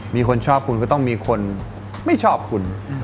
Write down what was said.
มีคนชอบคุณก็ต้องมีคนไม่ชอบคุณ